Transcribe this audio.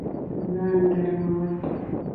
ځان ګرمول